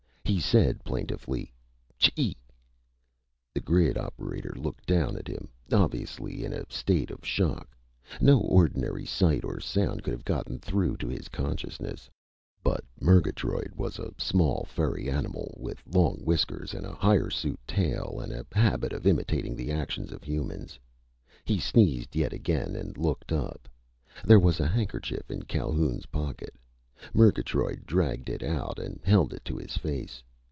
He said plaintively: "Chee!" The grid's operator looked down at him, obviously in a state of shock. No ordinary sight or sound could have gotten through to his consciousness. But Murgatroyd was a small, furry animal with long whiskers and a hirsute tail and a habit of imitating the actions of humans. He sneezed yet again and looked up. There was a handkerchief in Calhoun's pocket. Murgatroyd dragged it out and held it to his face.